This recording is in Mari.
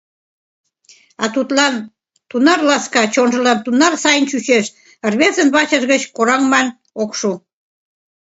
А тудлан тунар ласка, чонжылан тунар сайын чучеш — рвезын вачыж гыч кораҥман ок шу.